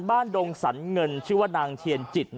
ดงสรรเงินชื่อว่านางเทียนจิต